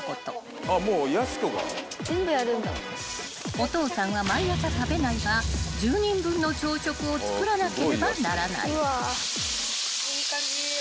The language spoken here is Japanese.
［お父さんは毎朝食べないが１０人分の朝食を作らなければならない］